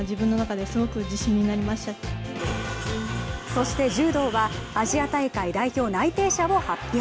そして柔道はアジア大会代表内定者を発表。